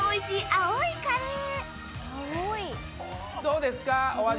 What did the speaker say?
青いカレー。